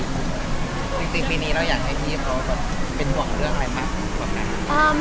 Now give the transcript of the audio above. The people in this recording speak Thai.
จริงที่ปีนี้แล้วอยากให้พี่เขาเป็นห่วงเรื่องอะไรคะ